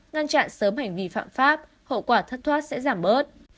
ngăn chặn sớm hành vi phạm pháp hậu quả thất thoát sẽ giảm bớt